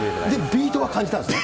ビートは感じたんですか？